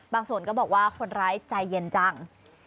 บางส่วนก็บอกว่าคนร้ายใจเย็นจัง